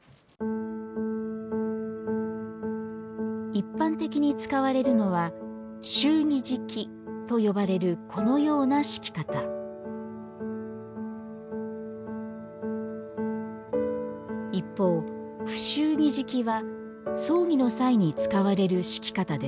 一般的に使われるのは「祝儀敷き」と呼ばれるこのような敷き方一方「不祝儀敷き」は葬儀の際に使われる敷き方です。